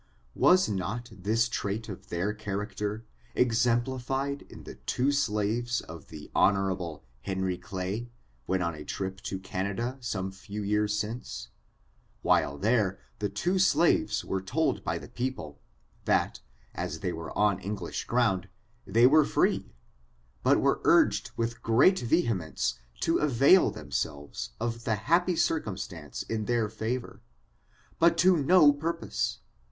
Was not this trait of their character exemplified in the two slaves of the Hon. Henry Clay, when on a trip to Canada, some few years since ? While there, the two slaves were told by the people, that, as they were on English ground, they were/ree, and were urged with great vehemence to avail themselves of the happy circumstance in their favor, but to no purpose.